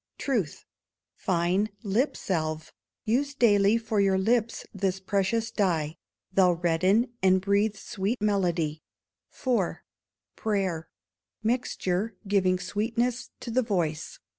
Truth Fine Lip salve. Use daily for your lips this precious dye. They'll redden, and breathe sweet melody. iv. _Prayer Mixture, giving Sweetness to the Voice.